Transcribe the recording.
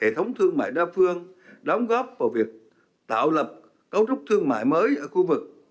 hệ thống thương mại đa phương đóng góp vào việc tạo lập cấu trúc thương mại mới ở khu vực